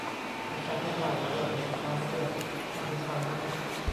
ให้ฉันได้เล่าเรื่องเล็กบางเรื่องให้คุณฟังนะคะ